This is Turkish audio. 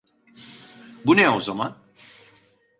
Bu ne o zaman?